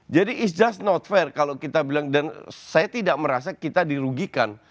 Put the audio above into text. jadi it s just not fair kalau kita bilang dan saya tidak merasa kita dirugikan